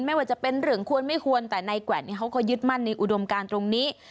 ไม่ว่าจะเป็นเรื่องควรไม่ควรแต่ในแกวดนี้เขาก็ยึดมั่นในอุดมการตรงนี้